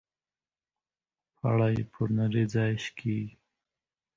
پړى پر نري ځاى شکېږي.